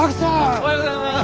おはようございます！